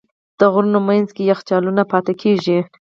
د غرونو منځ کې یخچالونه پاتې کېږي.